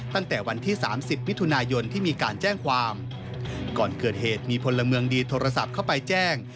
ตั้งแต่วันที่สามสิบมิถุนายนที่มีการแจ้งความก่อนเกิดเหตุมีพลเมืองดีโทรศัพท์เข้าไปแจ้ง